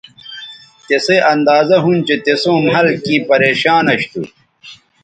تسئ اندازہ ھُون چہء تِسوں مھل کیں پریشان اش تھو